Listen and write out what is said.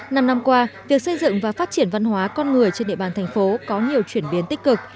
năm năm qua việc xây dựng và phát triển văn hóa con người trên địa bàn thành phố có nhiều chuyển biến tích cực